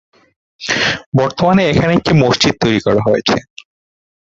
বর্তমানে এখানে একটি মসজিদ তৈরি করা হয়েছে।